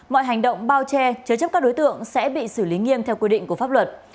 mọi hành động bao che chứa chấp các đối tượng sẽ bị xử lý nghiêm theo quy định của pháp luật